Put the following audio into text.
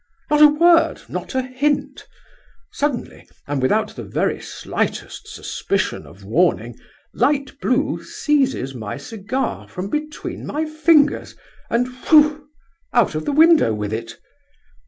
Not a word, not a hint! Suddenly, and without the very slightest suspicion of warning, 'light blue' seizes my cigar from between my fingers, and, wheugh! out of the window with it!